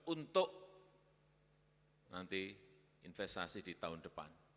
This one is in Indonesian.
untuk nanti investasi di tahun depan